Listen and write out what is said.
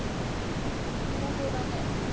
暇そうだね。